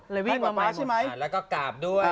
แล้วก็กราบด้วย